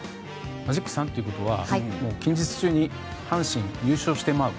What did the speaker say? マジック３ということはもう近日中に阪神優勝してまう！